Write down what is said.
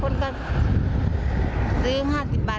คนก็ซื้อ๕๐บาทก็ค่อยซิ่ม๒๐บาท